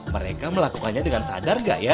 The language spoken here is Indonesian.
mereka melakukannya dengan sadar gak ya